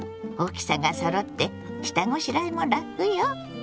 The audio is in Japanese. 大きさがそろって下ごしらえも楽よ。